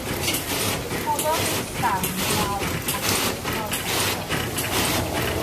Rhoddodd ei starn i lawr ac edrychodd eto.